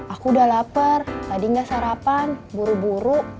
aku udah lapar tadi nggak sarapan buru buru